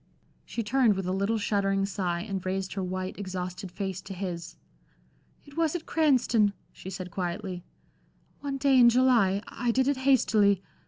She turned with a little shuddering sigh and raised her white, exhausted face to his. "It was at Cranston," she said, quietly, "one day in July. I did it hastily.